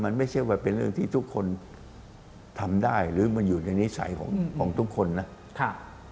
มันไม่ใช่ว่าเป็นเรื่องที่ทุกคนทำได้หรือมันอยู่ในนิสัยของทุกคนนะ